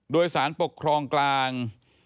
โดยสารปกครองกลาง